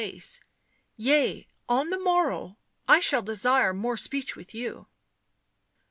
u Yea, on the morrow I shall desire more speech with you."